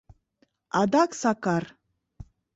— Адак Сакар!